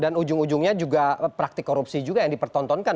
dan ujung ujungnya juga praktik korupsi juga yang dipertontonkan